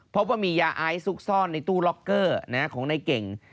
พบว่ามียาไอซุกซ่อนในตู้ล็อกเกอร์ของนายเก่ง